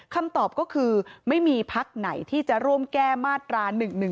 คำตอบก็คือไม่มีพักไหนที่จะร่วมแก้มาตรา๑๑๒